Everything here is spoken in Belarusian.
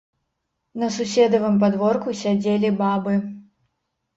На суседавым падворку сядзелі бабы.